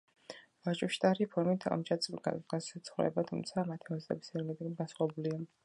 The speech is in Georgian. ჭვიშტარი ფორმით მჭადის მსგავსად ცხვება, თუმცა მათი მომზადების ინგრედიენტები განსხვავებულია.